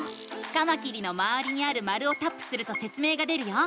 カマキリのまわりにある丸をタップするとせつ明が出るよ。